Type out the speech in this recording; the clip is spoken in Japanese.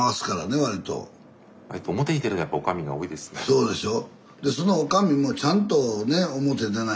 そうでしょ。